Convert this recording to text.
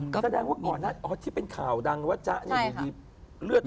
ก็แสดงว่าก่อนนะอ๋อที่เป็นข่าวดังว่าจ๊ะนี่อยู่ดี